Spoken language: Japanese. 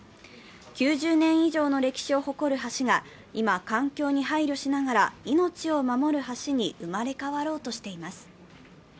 ９０年以上の歴史を誇る橋が今、環境に配慮しながら命を守る橋に生まれ変わろうとしています。